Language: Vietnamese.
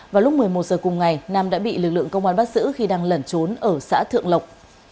vào lúc một mươi một h cùng ngày nam đã bị lực lượng công an bắt giữ khi đang lẩn trốn ở xã thượng lộc